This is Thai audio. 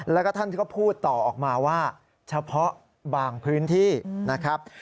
แล้วก็ท่านก็พูดต่อออกมาว่าเฉพาะบางพื้นที่นะครับ